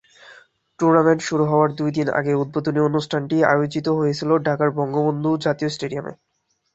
Tournament শুরু হওয়ার দু'দিন আগে উদ্বোধনী অনুষ্ঠানটি আয়োজিত হয়েছিল ঢাকার বঙ্গবন্ধু জাতীয় স্টেডিয়ামে।